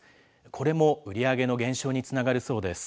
これも売り上げの減少につながるそうです。